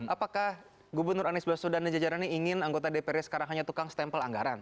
apakah gubernur anies baswedan dan jajarannya ingin anggota dprd sekarang hanya tukang stempel anggaran